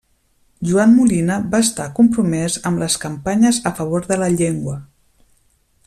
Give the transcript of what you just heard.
Joan Molina va estar compromès amb les campanyes a favor de la llengua.